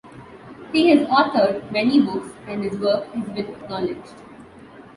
He has authored many books, and his work has been acknowledged.